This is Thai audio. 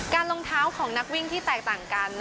รองเท้าของนักวิ่งที่แตกต่างกัน